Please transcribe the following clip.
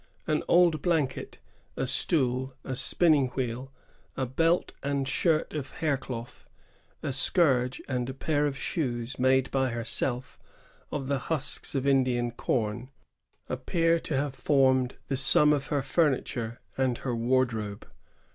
An old blanket, a stool, a spinning wheel, a belt and shirt of haircloth, a scourge, and a 160 PRIESTS AND PEOPLE. [1662 1714. pair of shoes made by herself of the husks of Indian corn, appear to have formed the sum of her furniture and her wardrobe.